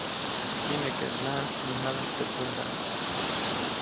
Nimekeʼuŋnaʼajk mäjadaʼm teʼ pändaʼm.